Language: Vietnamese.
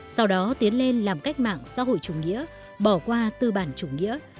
sau đó tiến lên làm cách mạng xã hội chủ nghĩa bỏ qua tư bản chủ nghĩa